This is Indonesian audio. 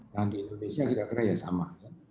nah di indonesia kira kira ya sama ya